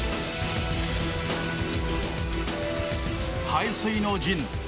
背水の陣